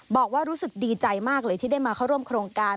บอกว่ารู้สึกดีใจมากเลยที่ได้มาเข้าร่วมโครงการ